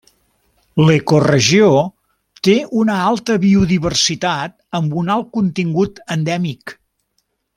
L’ecoregió té una alta biodiversitat amb un alt contingut endèmic.